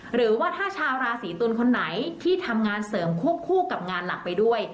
หรือว่าถ้าชาวราศีตุลคนไหนที่ทำงานเสริมควบคู่กับงานหลักไปด้วย